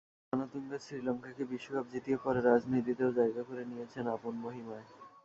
অর্জুনা রানাতুঙ্গা শ্রীলঙ্কাকে বিশ্বকাপ জিতিয়ে পরে রাজনীতিতেও জায়গা করে নিয়েছেন আপন মহিমায়।